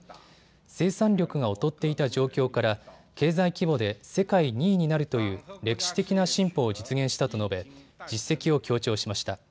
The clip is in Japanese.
生産力が劣っていた状況から経済規模で世界２位になるという歴史的な進歩を実現したと述べ実績を強調しました。